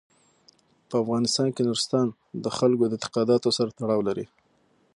په افغانستان کې نورستان د خلکو د اعتقاداتو سره تړاو لري.